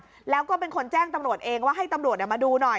แล้วก็เป็นคนแจ้งตำรวจเองว่าให้ตำรวจมาดูหน่อย